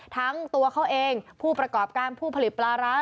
ทั้งตัวเขาเองผู้ประกอบการผู้ผลิตปลาร้า